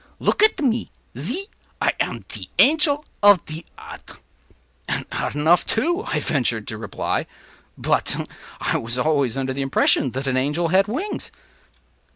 Look at me! zee! I am te Angel ov te Odd.” “And odd enough, too,” I ventured to reply; “but I was always under the impression that an angel had wings.